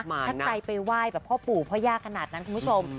ถ้าใครไปไหว้แบบพ่อปู่พ่อย่าขนาดนั้นคุณผู้ชม